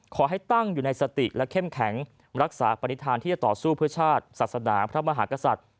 ขอให้ตั้งอยู่ในสติและเข้มแข็งรักษาปฏิฐานที่จะต่อสู้เพื่อชาติศาสนาพระมหากษัตริย์